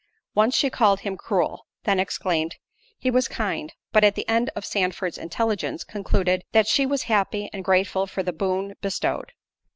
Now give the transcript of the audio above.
Once she called him cruel—then exclaimed "He was kind;" but at the end of Sandford's intelligence, concluded "that she was happy and grateful for the boon bestowed."